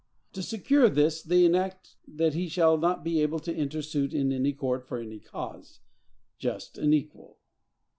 To secure this, they enact that he shall not be able to enter suit in any court for any cause.—Just and equal!